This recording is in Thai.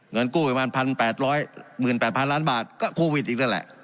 เงินกู้ประมาณพันแปดร้อยมืดแปดพันล้านบาทก็โควิดอีกแล้วแหละ